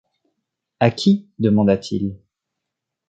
À qui? demanda-t-il.